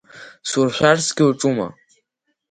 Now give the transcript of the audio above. Суршәарцгьы уаҿума?!